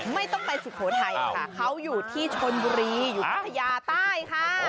ไม่ต้องไปสุโขทัยค่ะเขาอยู่ที่ชนบุรีอยู่พัทยาใต้ค่ะ